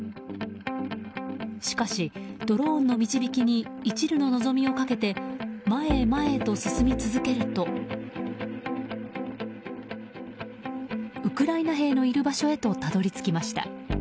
しかし、ドローンの導きにいちるの望みをかけて前へ前へと進み続けるとウクライナ兵のいる場所へとたどり着きました。